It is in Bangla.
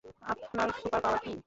আপনার সুপারপাওয়ার কী?